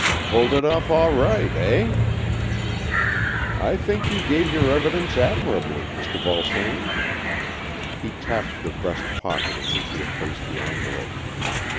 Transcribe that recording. " Pulled it off all right, eh?" '' I think you gave your evidence admir ably, Mr. Vulsame." He tapped the breast pocket in which he had placed the envelope.